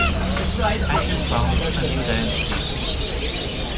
I shall found a new dynasty.